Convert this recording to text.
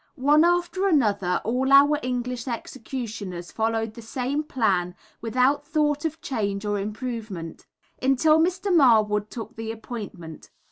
One after another, all our English executioners followed the same plan without thought of change or improvement, until Mr. Marwood took the appointment.